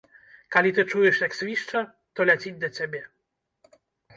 Калі ты чуеш, як свішча, то ляціць да цябе.